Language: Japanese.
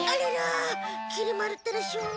きり丸ったらしょうがない。